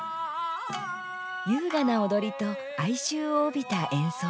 優雅な踊りと哀愁を帯びた演奏。